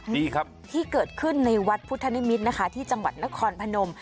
ดีครับที่เกิดขึ้นในวัดพุทธนิมิตรนะคะที่จังหวัดนครพนม